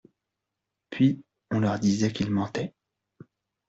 Puis, on leur disait qu'ils mentaient.